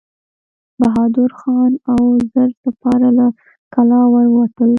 بهادر خان او زر سپاره له کلا ور ووتل.